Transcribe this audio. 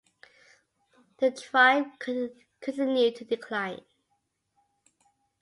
The tribe continued to decline.